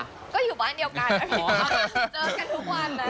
ก็อยู่บ้านเดียวกันนะพี่ก็เจอกันทุกวันนะ